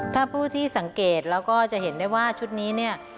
ถ้าผู้ที่สังเกตแล้วก็จะเห็นได้ว่าชุดนี้เนี่ย